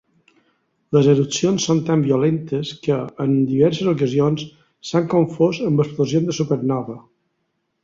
Les erupcions són tan violentes que, en diverses ocasions, s'han confós amb explosions de supernova.